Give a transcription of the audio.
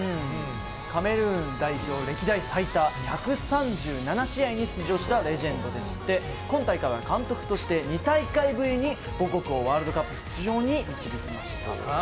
カメルーン代表歴代最多１３７試合に出場したレジェンドでして今大会は監督として２大会ぶりに母国をワールドカップ出場に導きました。